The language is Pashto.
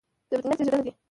د مدنيت زېږنده دى